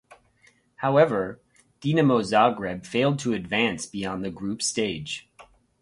However, Dinamo Zagreb failed to advance beyond the group stage.